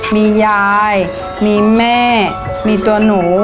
มียายมีแม่มีตัวหนู